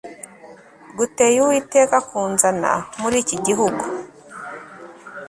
guteye Uwiteka kunzana muri iki gihugu